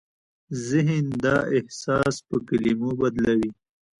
ذهن دا احساس په کلمو بدلوي.